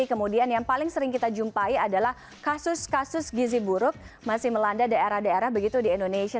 kemudian yang paling sering kita jumpai adalah kasus kasus gizi buruk masih melanda daerah daerah begitu di indonesia